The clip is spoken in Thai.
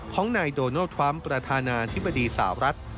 ของนายโดนัลด์ธรรมประธานาธิบดีสหรัฐ